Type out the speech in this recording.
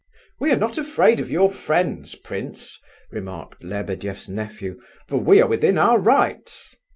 "We are not afraid of your friends, prince," remarked Lebedeff's nephew, "for we are within our rights."